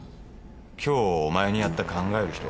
今日お前にやった「考える人」